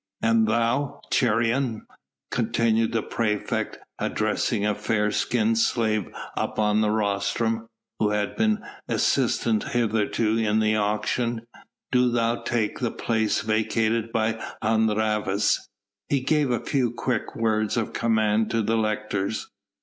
"And thou, Cheiron," continued the praefect, addressing a fair skinned slave up on the rostrum who had been assistant hitherto in the auction, "do thou take the place vacated by Hun Rhavas." He gave a few quick words of command to the lictors.